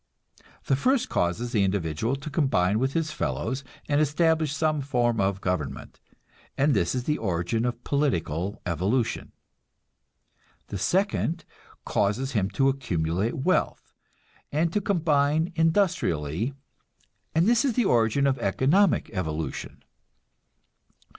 The first causes the individual to combine with his fellows and establish some form of government, and this is the origin of political evolution. The second causes him to accumulate wealth, and to combine industrially, and this is the origin of economic evolution.